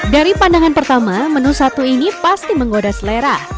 dari pandangan pertama menu satu ini pasti menggoda selera